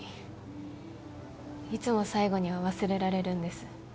いつも最後には忘れられるんです。